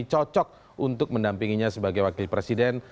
cocok untuk mendampinginya sebagai wakil presiden